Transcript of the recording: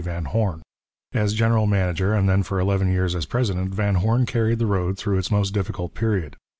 Van Horne. As general manager, and then for eleven years as president, Van Horne carried the road through its most difficult period.